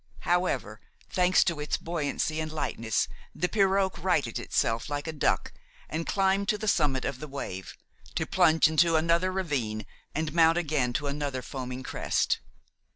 However, thanks to its buoyancy and lightness the pirogue righted itself like a duck and climbed to the summit of the wave, to plunge into another ravine and mount again to another foaming crest.